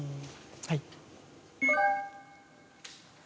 はい。